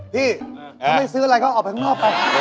พี่เขาไม่ซื้ออะไรเขาออกไปข้างนอกไป